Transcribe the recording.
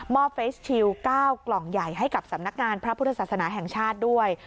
เฟสชิล๙กล่องใหญ่ให้กับสำนักงานพระพุทธศาสนาแห่งชาติด้วย